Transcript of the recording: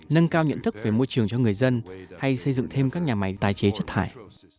nâng cao nhận thức về môi trường cho người dân hay xây dựng thêm các nhà máy tái chế chất thải